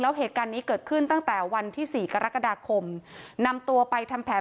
แล้วเหตุการณ์นี้เกิดขึ้นตั้งแต่วันที่สี่กรกฎาคมนำตัวไปทำแผน